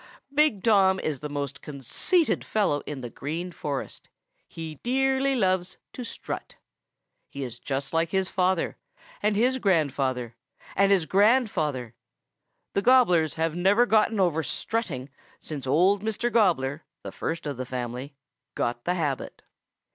Big Tom is the most conceited fellow in the Green Forest. He dearly loves to strut. He is just like his father and his grandfather and his great grandfather. The Gobblers never have gotten over strutting since Old Mr. Gobbler, the first of the family, got the habit."